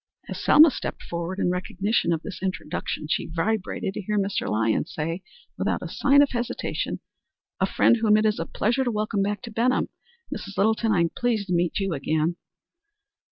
As Selma stepped forward in recognition of this introduction she vibrated to hear Mr. Lyons say, without a sign of hesitation, "A friend whom it is a pleasure to welcome back to Benham, Mrs. Littleton, I am pleased to meet you again."